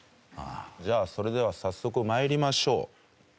じゃあそれでは早速参りましょう。